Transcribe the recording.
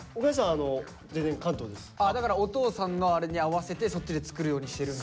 だからお父さんのあれに合わせてそっちで作るようにしてるんだ。